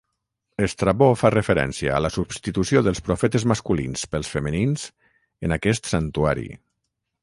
Estrabó fa referència a la substitució dels profetes masculins pels femenins en aquest santuari.